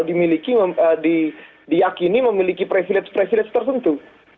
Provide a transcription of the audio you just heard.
dimiliki diakini memiliki privilege privilege tertentu